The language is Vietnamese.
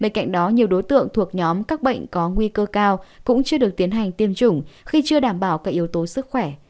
bên cạnh đó nhiều đối tượng thuộc nhóm các bệnh có nguy cơ cao cũng chưa được tiến hành tiêm chủng khi chưa đảm bảo các yếu tố sức khỏe